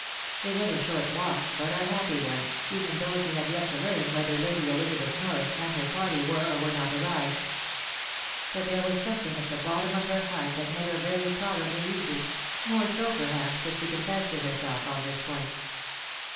It was a short walk, but a happy one, even though she had yet to learn whether Lady Elizabeth Norris and her party were or were not arrived. But there was something at the bottom of her heart that made her very tolerably 'easy .... moxe *o \*s\*s^ ^»xk ^*. 480 . TM WIDOW confessed to herself .... on this point.